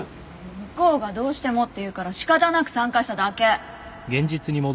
向こうがどうしてもって言うから仕方なく参加しただけ。